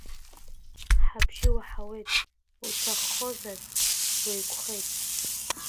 Ҳабжьы уаҳауеит, уҭахозаргь уеиқәхеит.